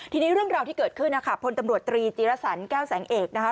ทีนี้เรื่องราวที่เกิดขึ้นนะคะพลตำรวจตรีจีรสันแก้วแสงเอกนะคะ